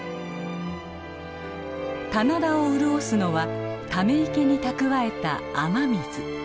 棚田を潤すのはため池に蓄えた雨水。